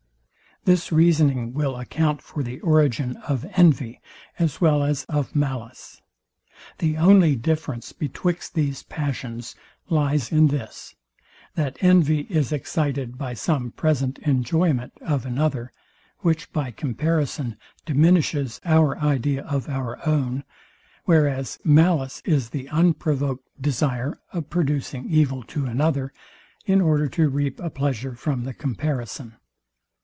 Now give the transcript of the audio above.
This reasoning will account for the origin of envy as well as of malice. The only difference betwixt these passions lies in this, that envy is excited by some present enjoyment of another, which by comparison diminishes our idea of our own: Whereas malice is the unprovoked desire of producing evil to another, in order to reap a pleasure from the comparison.